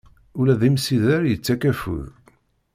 Ula d imsider, yettak afud.